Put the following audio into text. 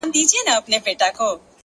هره لاسته راوړنه د زحمت عکس دی!.